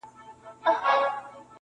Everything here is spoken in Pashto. • او را یاد مي د خپل زړه د میني اور کم -